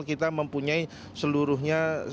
kita mempunyai seluruhnya